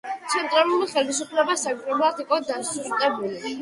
ცენტრალური ხელისუფლება საგრძნობლად იყო დასუსტებული.